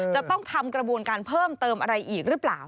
จะต้องทำกระบวนการเพิ่มเติมอะไรอีกหรือเปล่า